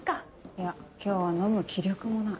いや今日は飲む気力もない。